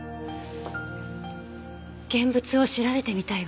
現物を調べてみたいわ。